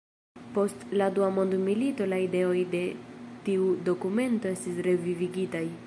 Post la dua mondmilito la ideoj de tiu dokumento estis revivigitaj.